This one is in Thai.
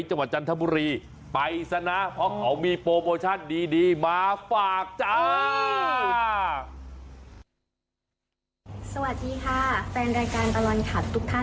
จังหวัดจันทบุรีไปซะนะเพราะเขามีโปรโมชั่นดีมาฝากจ้า